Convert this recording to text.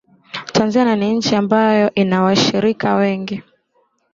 Tanzania ni nchi ambayo ina washirika wengi